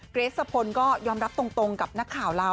เกรสสะพลก็ยอมรับตรงกับนักข่าวเรา